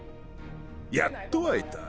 やっと会えた。